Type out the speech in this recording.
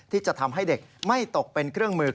ที่จะทำให้เด็กไม่ตกเป็นเครื่องมือ